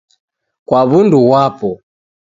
Kwa wundu ghwapo